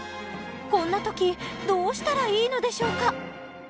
こんな時どうしたらいいのでしょうか？